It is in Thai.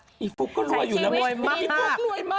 ไอ้ฟลุ๊กก็รวยอยู่รวยมาก